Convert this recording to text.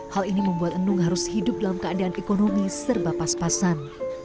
hal ini membuat enung harus hidup dalam keadaan ekonomi serba pas pasan